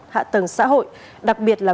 hạ tầng xã hội đặc biệt là